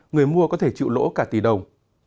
người mua có thể chịu lỗ cả tỷ đồng